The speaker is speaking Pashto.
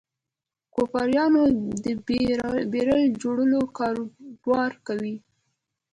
کوپریانو د بیرل جوړولو کاروبار کاوه.